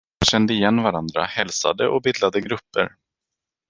Man kände igen varandra, hälsade och bildade grupper.